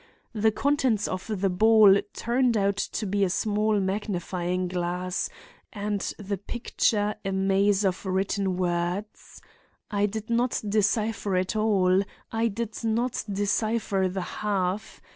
The contents of the ball turned out to be a small magnifying glass, and the picture a maze of written words. I did not decipher it all; I did not decipher the half.